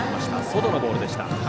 外のボールでした。